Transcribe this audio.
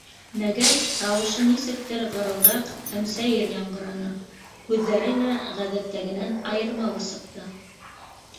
Мәгәр тауышы нисектер ғырылдаҡ һәм сәйер яңғыраны, һүҙҙәре лә ғәҙәттәгенән айырмалы сыҡты: